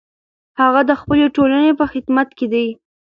هغه د خپلې ټولنې په خدمت کې دی.